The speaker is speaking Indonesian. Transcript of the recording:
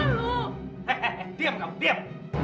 hei hei hei diam kamu diam